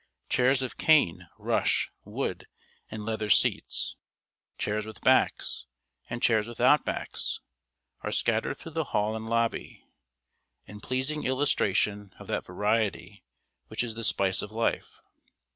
Chairs of cane, rush, wood and leather seats chairs with backs, and chairs without backs, are scattered through the hall and lobby, in pleasing illustration of that variety which is the spice of life.